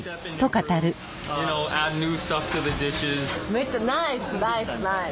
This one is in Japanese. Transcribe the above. めっちゃナイスナイスナイス。